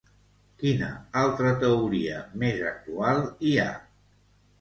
Quina altra teoria, més actual, hi ha?